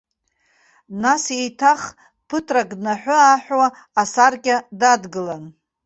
Нас еиҭах ԥыҭрак днаҳәы-ааҳәуа асаркьа дадгылан.